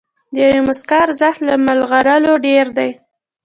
د یوې موسکا ارزښت له مرغلرو ډېر دی.